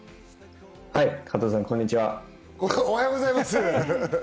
加藤さん、おはようございます。